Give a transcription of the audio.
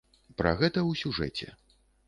Пра гэта ў сюжэце.